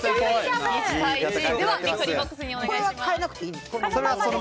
ではビクトリーボックスにお願いします。